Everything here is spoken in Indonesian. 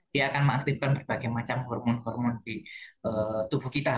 dia akan mengaktifkan berbagai macam hormon hormon di tubuh kita